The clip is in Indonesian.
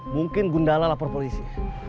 mungkin gundala lapor polisi